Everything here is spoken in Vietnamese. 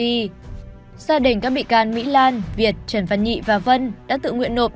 gia đình các bị can mỹ lan việt trần văn nhị và vân đã tự nguyện nộp